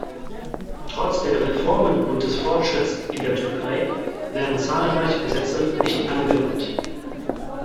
Trotz der Reformen und des Fortschritts in der Türkei, werden zahlreiche Gesetze nicht angewandt.